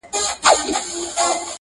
په ياغيانو کي منلى وو سردار وو !.